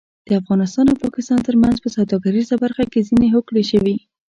د افغانستان او پاکستان ترمنځ په سوداګریزه برخه کې ځینې هوکړې شوې